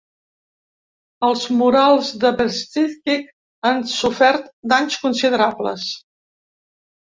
Els murals de Bezeklik han sofert danys considerables.